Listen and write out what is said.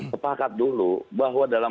sepakat dulu bahwa dalam